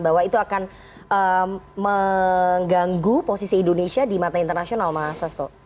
bahwa itu akan mengganggu posisi indonesia di mata internasional mas hasto